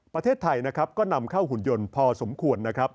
ประเทศไทยนะครับก็นำเข้าหุ่นยนต์พอสมควรนะครับ